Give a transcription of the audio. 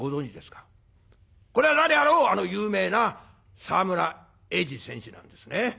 これは誰あろうあの有名な沢村栄治選手なんですね。